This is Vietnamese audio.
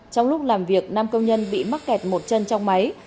trong lúc làm việc năm công nhân bị mắc kẹt một chân trong máy